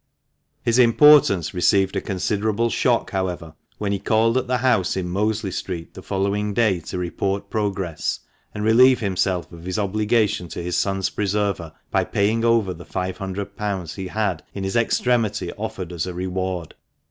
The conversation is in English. His importance received a considerable shock, however, when he called at the house in Mosley Street the following day to report progress, and relieve himself of his obligation to his son's preserver by paying over the five hundred pounds he had in his extremity offered as a reward.